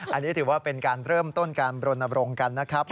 อันนี้ถือว่าเป็นการเริ่มต้นการบรณบรงค์กันนะครับ